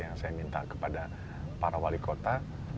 yang saya minta kepada para wali kota